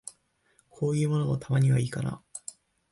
こういうのも、たまにはいいかな。